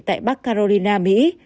tại bắc carolina mỹ